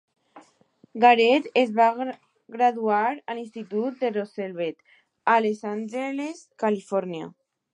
Garrett es va graduar a l'institut de Roosevelt, a Los Angeles, Califòrnia.